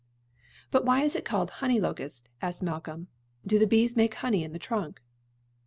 "But why is it called honey locust?" asked Malcolm. "Do the bees make honey in the trunk?"